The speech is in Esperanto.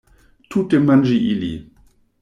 Tute manĝi ili.